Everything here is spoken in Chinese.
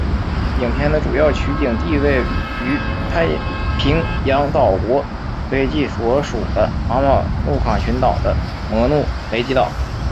影片的主要取景地位于太平洋岛国斐济所属的马马努卡群岛的摩努雷基岛。